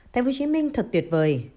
tp hcm thật tuyệt vời